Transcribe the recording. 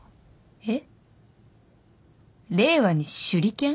えっ？